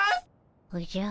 おじゃ。